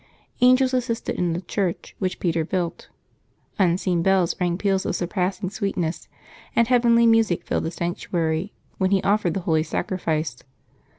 Angels assisted in the church which Peter built; unseen bells rang peals of surpassing sweet ness, and heavenly music filled the sanctuary when he offered the Holy Sacrifice.